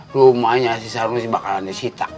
rumahnya si sanusi bakalan disita